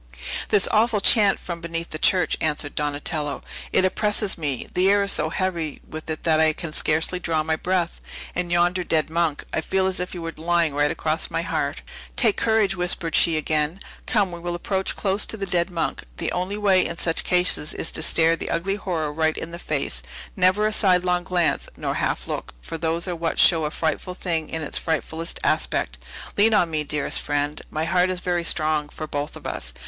"This awful chant from beneath the church," answered Donatello; "it oppresses me; the air is so heavy with it that I can scarcely draw my breath. And yonder dead monk! I feel as if he were lying right across my heart." "Take courage!" whispered she again "come, we will approach close to the dead monk. The only way, in such cases, is to stare the ugly horror right in the face; never a sidelong glance, nor half look, for those are what show a frightfull thing in its frightfullest aspect. Lean on me, dearest friend! My heart is very strong for both of us.